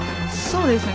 そうですね。